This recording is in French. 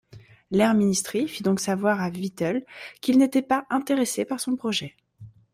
L’Air Ministry fit donc savoir à Whittle qu'ils n'étaient pas intéressés par son projet.